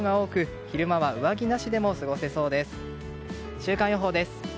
週間予報です。